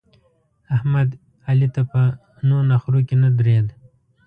احمد؛ علي ته په نو نخرو کې نه درېد.